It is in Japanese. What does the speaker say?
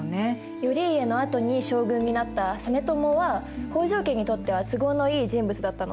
頼家のあとに将軍になった実朝は北条家にとっては都合のいい人物だったの？